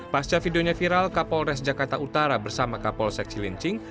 pasca videonya viral kapolres jakarta utara bersama kapol seksi lincing